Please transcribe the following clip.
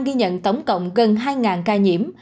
ghi nhận tổng cộng gần hai ca nhiễm